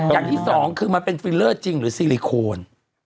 อย่างที่สองคือมันเป็นฟิลเลอร์จริงหรือซิลิโคน